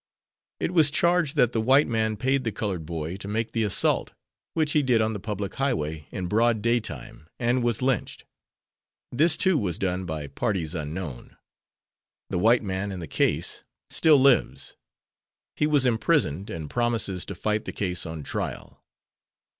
It was charged that the white man paid the colored boy to make the assault, which he did on the public highway in broad day time, and was lynched. This, too was done by "parties unknown." The white man in the case still lives. He was imprisoned and promises to fight the case on trial.